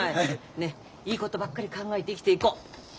ねっいいことばっかり考えて生きていこう。ね！